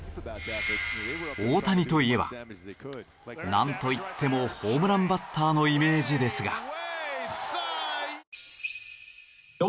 大谷といえばなんといってもホームランバッターのイメージですが。